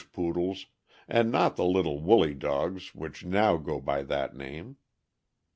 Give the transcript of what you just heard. Poodles, and not the little woolly dogs which now go by that name.